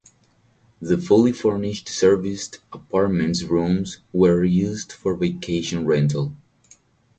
The fully furnished serviced apartment rooms were used for vacation rental.